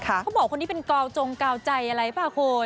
เขาบอกคนนี้เป็นกาวจงกาวใจอะไรป่ะคุณ